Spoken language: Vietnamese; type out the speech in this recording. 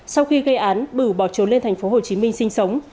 sau khi gây án bửu bỏ trốn lên thành phố hồ chí minh sinh sống